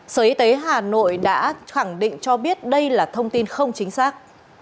sở y tế hà nội đã khẳng định cho biết đây là thông tin không chính xác